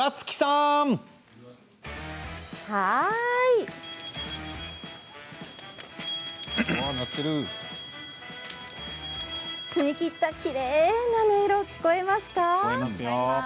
りんの音澄みきったきれいな音色聞こえますか？